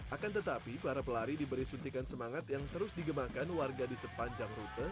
akan tetapi para pelari diberi suntikan semangat yang terus digemakan warga di sepanjang rute